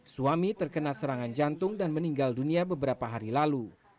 suami terkena serangan jantung dan meninggal dunia beberapa hari lalu